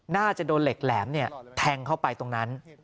น่าจะโดนเหล็กแหลมแทงเข้าไปตรงนั้น